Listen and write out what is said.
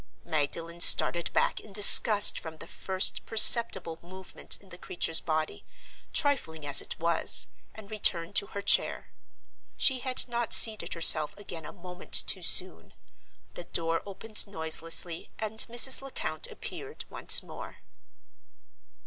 Magdalen started back in disgust from the first perceptible movement in the creature's body, trifling as it was, and returned to her chair. She had not seated herself again a moment too soon. The door opened noiselessly, and Mrs. Lecount appeared once more.